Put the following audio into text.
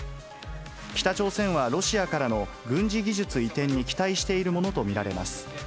北朝鮮は、ロシアからの軍事技術移転に期待しているものと見られます。